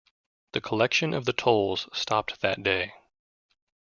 Collection of the tolls stopped that day.